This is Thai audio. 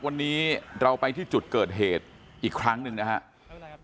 วันนี้เราไปที่จุดเกิดเหตุอีกครั้งหนึ่งนะครับ